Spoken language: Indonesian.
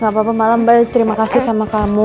gak apa apa malam mbak terima kasih sama kamu